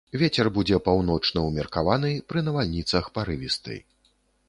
Вецер будзе паўночны ўмеркаваны, пры навальніцах парывісты.